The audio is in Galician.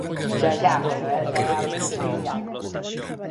¡Xa, xa!, pero esa é a responsabilidade.